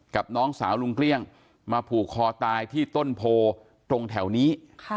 น้องสาวลุงเกลี้ยงมาผูกคอตายที่ต้นโพตรงแถวนี้